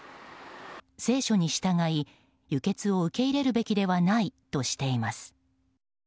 聖書に従い輸血を受け入れるべきではないとしています。